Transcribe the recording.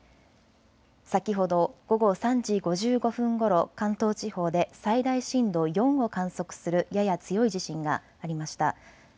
先ほど午後３時５５分ごろ、関東地方で最大震度４を観測するやや強い地震がありました。